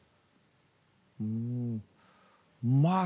うんまあ